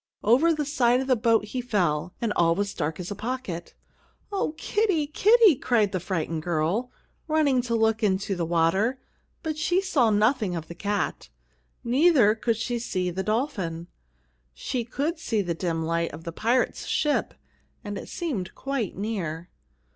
Over the side of the boat he fell, and all was dark as a pocket. "Oh, Kitty, Kitty," cried the frightened girl, running to look into the water, but she saw nothing of the cat. Neither could she see the dolphin. She could see the dim light of the pirate's ship, and it seemed quite near.